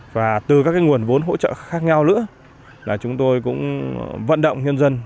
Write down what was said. và từ các nguồn vốn hỗ trợ khác nhau nữa là chúng tôi cũng vận động nhân dân